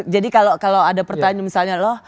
jadi kalau ada pertanyaan misalnya loh